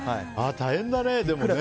大変だね。